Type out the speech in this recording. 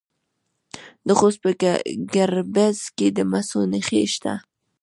د خوست په ګربز کې د مسو نښې شته.